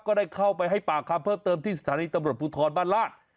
ก็ได้เข้าไปให้ปากคำเพิ่มเติมที่สถานีตำรวจภูทรบ้านราช